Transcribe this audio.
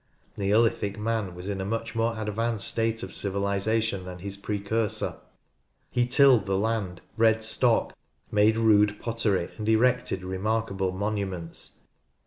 Neolithic man was in a much more advanced state of civilisation than his precursor. He tilled the land, bred stock, made rude pottery, and erected remarkable monuments.